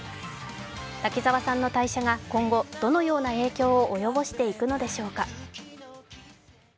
滝沢さんの退社が今後どのような影響を及ぼしていくのでしょうか。